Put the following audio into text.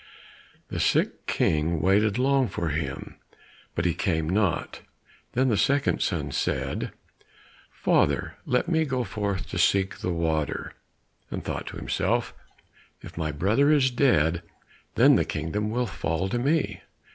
The sick King waited long for him, but he came not. Then the second son said, "Father, let me go forth to seek the water," and thought to himself, "If my brother is dead, then the kingdom will fall to me."